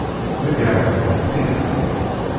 D agehguh n tidet.